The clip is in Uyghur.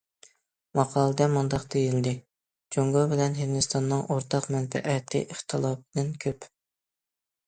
ماقالىدە مۇنداق دېيىلدى: جۇڭگو بىلەن ھىندىستاننىڭ ئورتاق مەنپەئەتى ئىختىلاپىدىن كۆپ.